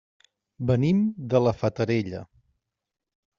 Venim de la Fatarella.